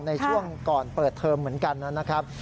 ในช่วงก่อนเปิดเทอมเหมือนกันนะครับ